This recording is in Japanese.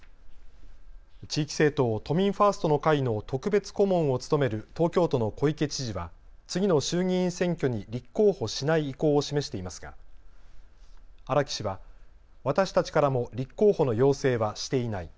地域政党、都民ファーストの会の特別顧問を務める東京都の小池知事は次の衆議院選挙に立候補しない意向を示していますが荒木氏は私たちからも立候補の要請はしていない。